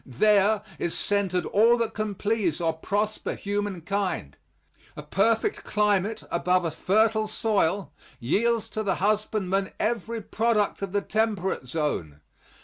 There is centered all that can please or prosper humankind. A perfect climate above a fertile soil yields to the husbandman every product of the temperate zone.